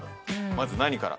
まず何から？